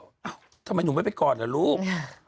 เอ้าทำไมหนูไม่ไปกอดเหรอลูก